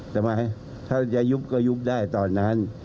ทำไมถ้าจะยุบก็ยุบได้ตอนนั้น